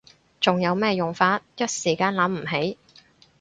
仲有咩用法？一時間諗唔起